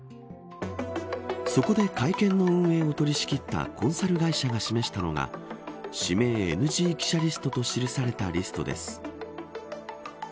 そこで、会見の運営を取り仕切ったコンサル会社が示したのは指名ＮＧ記者リストと記されたリストです。